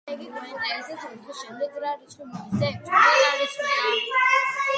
ესე იგი, გვაინტერესებს ოთხის შემდეგ რა რიცხვი მოდის და ექვსამდე რა რიცხვია.